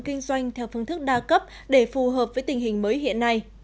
kinh doanh theo phương thức đa cấp để phù hợp với tình hình mới hiện nay